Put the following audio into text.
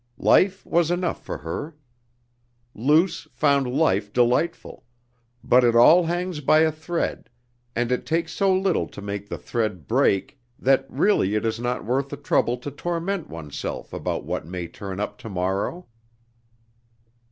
Life was enough for her. Luce found life delightful, but it all hangs by a thread and it takes so little to make the thread break that really it is not worth the trouble to torment oneself about what may turn up tomorrow.